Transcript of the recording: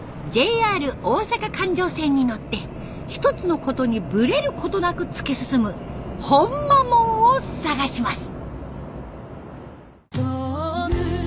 ＪＲ大阪環状線に乗って一つのことにブレることなく突き進む「ほんまもん」を探します。